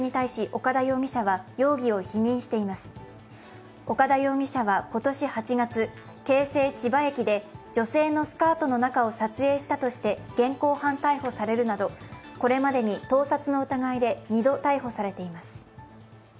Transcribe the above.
岡田容疑者は今年８月京成千葉駅で女性のスカートの中を撮影したとして現行犯逮捕されるなど、これまでに盗撮の疑いで２度逮捕されています。